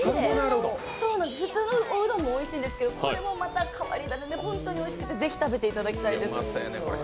普通のおうどんもおいしいんですけどこれもまた変わり種で本当においしくてぜひ食べていただきたいです。